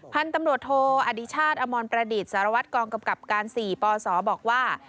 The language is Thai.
พันธุ์ตำรวจโทอดิชาติอมรประดิษฐ์สารวัตรกองกำกับการ๔ปศบอกว่า